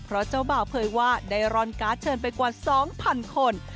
เพราะเจ้าบ่าวเผยว่าได้รอนการ์ดเชิญไปกว่า๒๐๐๐คน